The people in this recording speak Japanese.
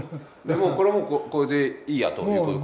もうこれはこれでいいやということか。